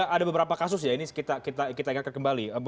ada beberapa kasus ya ini kita ingatkan kembali